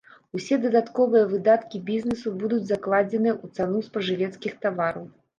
Усе дадатковыя выдаткі бізнесу будуць закладзены ў цану спажывецкіх тавараў.